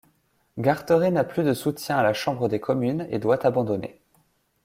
Carteret n'a plus de soutien à la Chambre des communes et doit abandonner.